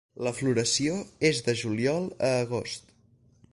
La floració és de juliol a agost.